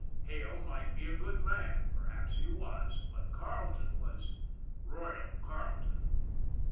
Hale might be a good man, per haps he was, but Carleton was " Royal " Carleton.